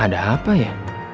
ada apa ya